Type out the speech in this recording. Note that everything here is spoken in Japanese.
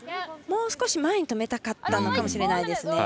もう少し前に止めたかったのかもしれないです。